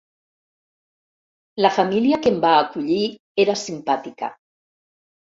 La família que em va acollir era simpàtica.